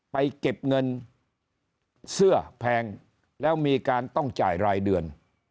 ไปเก็บเงินเสื้อแพงแล้วมีการต้องจ่ายรายเดือน